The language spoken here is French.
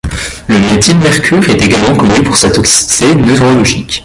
Le méthylmercure est également connu pour sa toxicité neurologique.